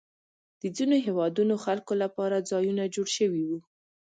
د ځینو هېوادونو خلکو لپاره ځایونه جوړ شوي وو.